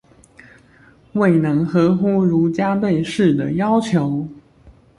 未能合乎儒家對士的要求？